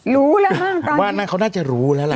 รู้แล้วมากตอนนี้ว่าน่าเขาน่าจะรู้แล้วล่ะ